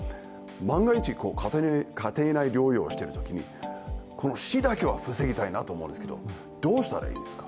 万が一家庭内療養をしている間に死だけは防ぎたいと思うんですけどどうしたらいいですか。